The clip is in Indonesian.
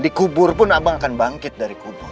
di kubur pun abang akan bangkit dari kubur